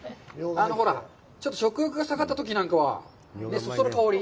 ほら、ちょっと食欲が下がったときなんかはそそる香り。